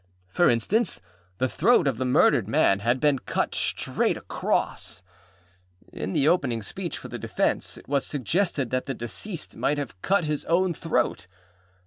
For instance: the throat of the murdered man had been cut straight across. In the opening speech for the defence, it was suggested that the deceased might have cut his own throat.